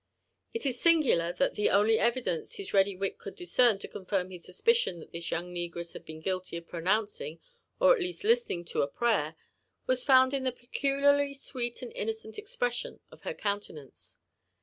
It is singular that the only evidence bis ready wit could discern to confirm his suspicions that this young negress bad been guilty of pr(^ flouncing, or at least of listening to a prayer, was found in the peculiarly sweet and innocent expression of her countenance.